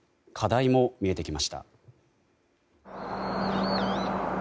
課題も見えてきました。